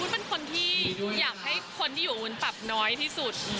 เป็นคนที่อยากให้คนที่อยู่วุ้นปรับน้อยที่สุด